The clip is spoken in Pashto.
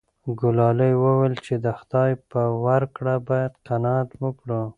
ګلالۍ وویل چې د خدای په ورکړه باید قناعت وکړو.